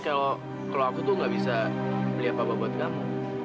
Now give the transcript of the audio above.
kalau aku tuh gak bisa beli apa apa buat kamu